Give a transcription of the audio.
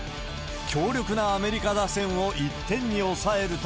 強力なアメリカ打線を１点に抑えると。